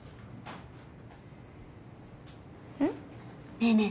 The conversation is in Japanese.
ねえねえ